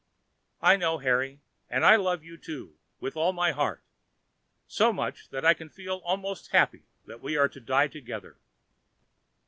"I know, Harry; and I love you too with all my heart—so much, that I can feel almost happy that we are to die together."